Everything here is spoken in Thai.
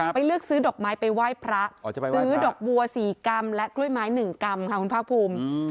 เลือกซื้อดอกไม้ไปไหว้พระซื้อดอกบัว๔กรัมและกล้วยไม้๑กรัมค่ะคุณภาคภูมิ